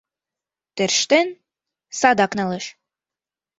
Тӧрштен, садак налеш.